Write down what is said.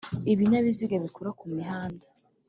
ibinyabiziga bikora ku mihanda